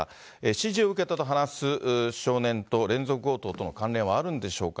指示を受けたと話す少年と連続強盗との関連はあるんでしょうか。